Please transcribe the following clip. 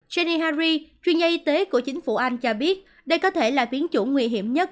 serihari chuyên gia y tế của chính phủ anh cho biết đây có thể là biến chủng nguy hiểm nhất